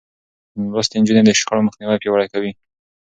لوستې نجونې د شخړو مخنيوی پياوړی کوي.